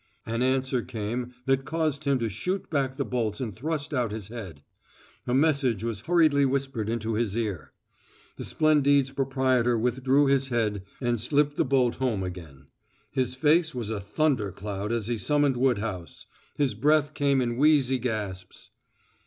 An answer came that caused him to shoot back the bolts and thrust out his head. A message was hurriedly whispered into his ear. The Splendide's proprietor withdrew his head and slipped the bolt home again. His face was a thundercloud as he summoned Woodhouse; his breath came in wheezy gasps.